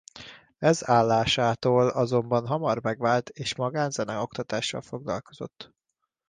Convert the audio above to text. Ez állásától azonban hamar megvált és magán zeneoktatással foglalkozott.